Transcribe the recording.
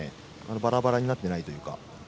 バラバラになっていないというか。